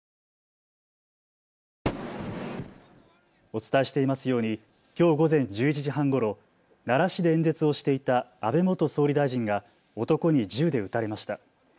お伝えしていますようにきょう午前１１時半ごろ、奈良市で演説をしていた安倍元総理大臣が男に銃で撃たれました。